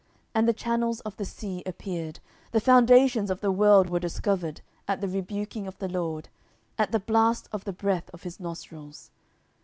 10:022:016 And the channels of the sea appeared, the foundations of the world were discovered, at the rebuking of the LORD, at the blast of the breath of his nostrils.